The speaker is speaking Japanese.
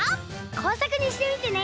こうさくにしてみてね。